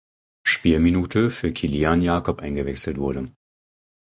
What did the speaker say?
Spielminute für Kilian Jakob eingewechselt wurde.